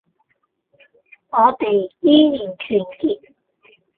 我哋依然團結